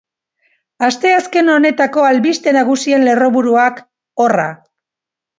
Asteazken honetako albiste nagusien lerroburuak, horra.